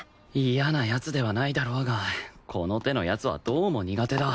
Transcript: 嫌な奴ではないだろうがこの手の奴はどうも苦手だ